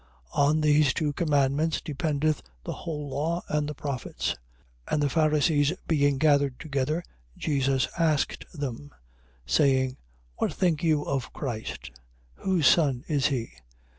22:40. On these two commandments dependeth the whole law and the prophets. 22:41. And the Pharisees being gathered together, Jesus asked them, 22:42. Saying: What think you of Christ? Whose son is he?